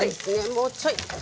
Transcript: もうちょい。